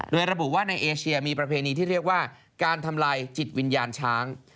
โดยระบุว่าในเอเชียมีประเพณีที่เรียกว่าการทำลายจิตวิญญาณช้าง